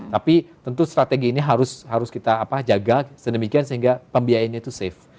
tapi tentu strategi ini harus kita jaga sedemikian sehingga pembiayaannya itu safe